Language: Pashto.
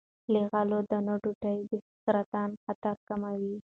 له غلې- دانو ډوډۍ د سرطان خطر کموي.